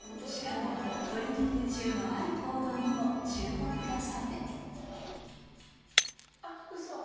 しかもトリミング中のある行動にも注目だそうであっウソ。